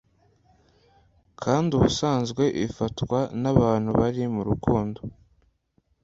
kandi ubusanzwe ifatwa n’abantu bari murukundo